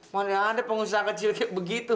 mana ada pengusaha kecil kayak begitu